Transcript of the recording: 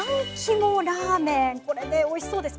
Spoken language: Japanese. これねおいしそうですけど。